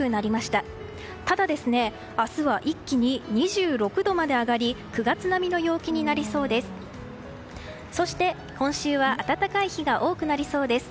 ただ、明日は一気に２６度まで上がり９月並みの陽気になりそうです。